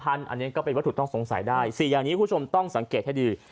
อันนี้ก็เป็นวัตถุต้องสงสัยได้๔อย่างนี้คุณผู้ชมต้องสังเกตให้ดี